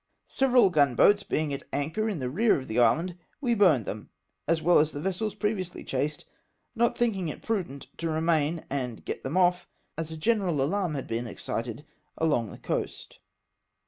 Several c unboats beingf at anchor in the rear of the island, we burned them, as well as the vessels previously chased, not thinking it prudent to remain and get them off, as a general alarm had been excited along the coast.